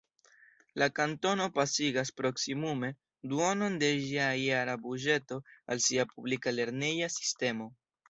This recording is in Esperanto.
La kantono pasigas proksimume duonon de ĝia jara buĝeto al sia publika lerneja sistemo.